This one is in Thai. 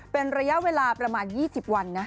เป็นระยะเวลาประมาณ๒๐วันนะ